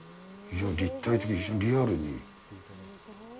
立体的、非常にリアルに。